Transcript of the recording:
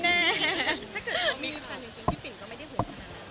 ถ้าเกิดเขามีคุณจริงพี่ปิ่นก็ไม่ได้ห่วง